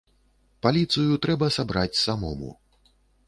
Паліцыю трэба сабраць самому.